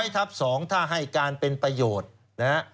๑๐๐ทับ๒ถ้าให้การเป็นประโยชน์